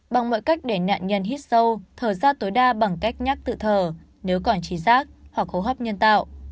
bằng mọi cách để nạn nhân hít sâu thở ra tối đa bằng cách nhắc tự thở nếu còn trí rác hoặc hô hấp nhân tạo